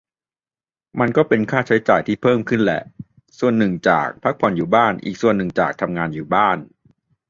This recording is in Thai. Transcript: มันก็เป็นค่าใช้จ่ายที่เพิ่มขึ้นแหละ ส่วนหนึ่งจาก "พักผ่อนอยู่บ้าน" อีกส่วนจาก "ทำงานอยู่บ้าน"